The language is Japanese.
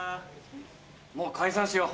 もう解散しよう。